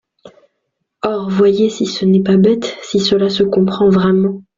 Or, voyez si ce n’est pas bête, Si cela se comprend vraiment.